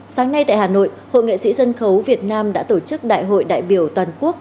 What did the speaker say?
sáng nay tại hà nội hội nghệ sĩ sân khấu việt nam đã tổ chức đại hội đại biểu toàn quốc